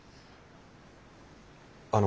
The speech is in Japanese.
あの。